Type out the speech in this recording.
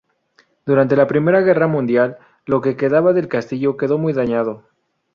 Durante la Primera Guerra Mundial, lo que quedaba del castillo quedó muy dañado.